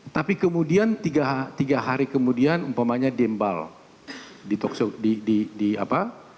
tapi kemudian tiga hari kemudian umpamanya dembal di talkshow di apa